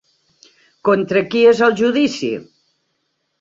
Contra qui és el judici?